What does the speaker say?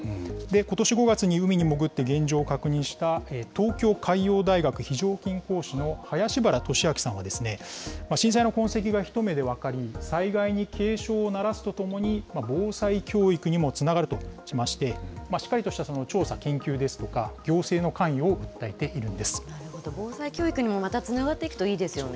ことし５月に海に潜って現状を確認した、東京海洋大学非常勤講師の林原利明さんは、震災の痕跡が一目で分かり、災害に警鐘を鳴らすとともに、防災教育にもつながるとしまして、しっかりとした調査、研究ですとか、行政の関与を訴えているんで防災教育にもまたつながってそうですね。